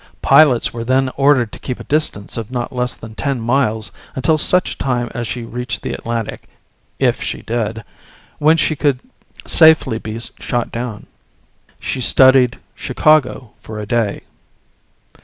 Pilots were then ordered to keep a distance of not less than ten miles until such time as she reached the Atlantic if she did when she could safely be shot down. She studied Chicago for a day.